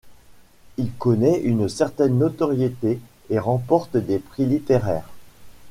Il connaît une certaine notoriété et remporte des prix littéraires.